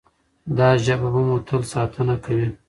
دا ژبه به مو تل ساتنه کوي.